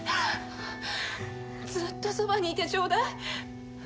ずっとそばにいてちょうだい。